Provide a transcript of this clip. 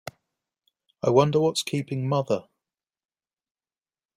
I wonder what's keeping mother?